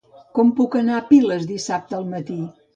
Com puc anar a Piles dissabte al matí?